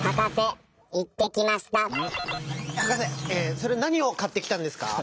それなにをかってきたんですか？